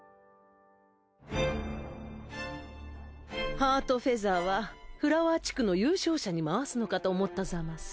ハートフェザーはフラワー地区の優勝者に回すのかと思ったざます。